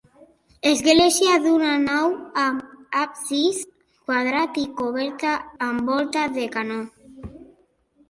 Església d'una nau amb absis quadrat i coberta amb volta de canó.